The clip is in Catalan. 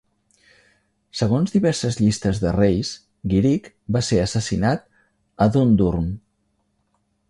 Segons diverses llistes de reis, Giric va ser assassinat a Dundurn.